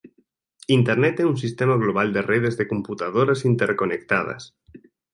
Internet é un sistema global de redes de computadoras interconectadas.